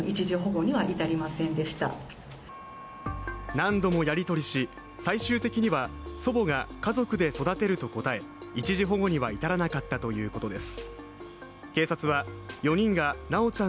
何度もやり取りし、最終的には祖母が家族で育てると答え、一時保護には至らなかったということです。